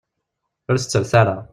Ur tettret ara.